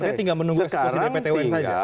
artinya tinggal menunggu eksekusi dari pt un saja